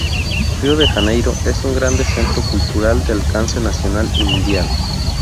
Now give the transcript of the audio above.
Río de Janeiro es un grande centro cultural de alcance nacional y mundial.